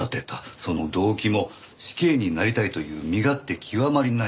「その動機も死刑になりたいという身勝手極まりないもので」か。